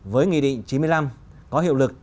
với nghị định chín mươi năm có hiệu lực